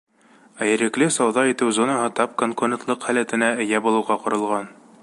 Ә ирекле сауҙа итеү зонаһы тап конкурентлыҡ һәләтенә эйә булыуға ҡоролған.